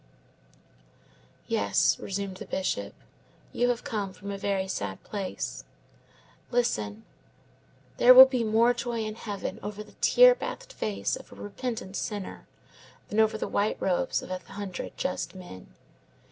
"Yes," resumed the Bishop, "you have come from a very sad place. Listen. There will be more joy in heaven over the tear bathed face of a repentant sinner than over the white robes of a hundred just men.